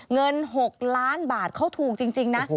เงิน๖ล้านบาทเขาถูกจริงนะ